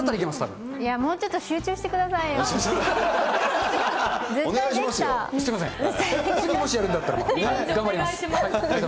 もうちょっと集中してくださそうですよね。